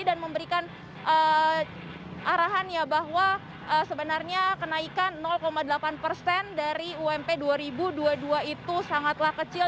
dan memberikan arahan bahwa sebenarnya kenaikan delapan persen dari ump dua ribu dua puluh dua itu sangatlah kecil